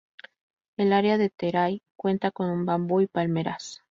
El área de Terai cuenta con bambú y palmeras.